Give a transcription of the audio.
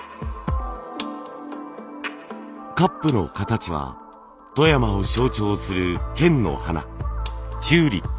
カップの形は富山を象徴する県の花チューリップ。